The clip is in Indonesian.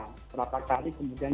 kami melihat kembali kemudian